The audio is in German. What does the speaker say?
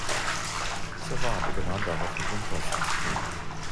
Savard übernahm daraufhin den Posten.